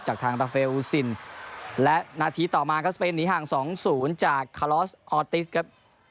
จากทางตาเฟอูซินและนาทีต่อมาครับสเปนหนีห่าง๒๐จากคาลอสออติสครับ